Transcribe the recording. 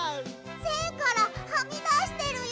せんからはみだしてるよ！